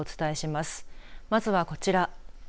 まずはこちら。